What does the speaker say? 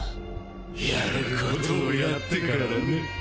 やる事をやってからね。